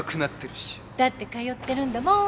だって通ってるんだもん。